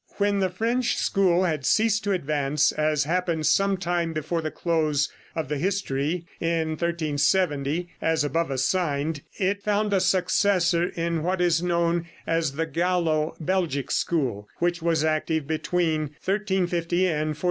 When the French school had ceased to advance, as happened some time before the close of the history in 1370, as above assigned, it found a successor in what is known as the Gallo Belgic school, which was active between 1350 and 1432.